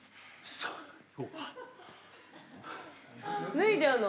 脱いじゃうの？